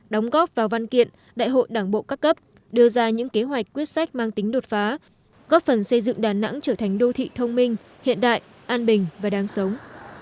đóng góp vào văn kiện đại hội đảng bộ các cấp đưa ra những kế hoạch quyết sách mang tính đột phá góp phần xây dựng đà nẵng trở thành đô thị thông minh hiện đại an bình và đáng sống